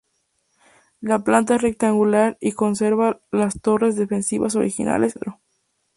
La planta es rectangular y conserva las torres defensivas originales en el perímetro.